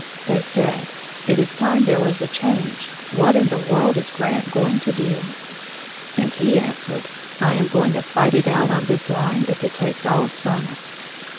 They said: "It is time there was a change what in the world is Grant going to do?" And he answered: "I am going to fight it out on this line if it takes all summer!"